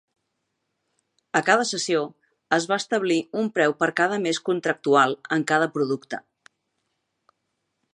A cada sessió, es va establir un preu per cada mes contractual en cada producte.